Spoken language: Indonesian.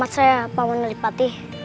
saya paham melipati